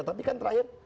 tapi kan terakhir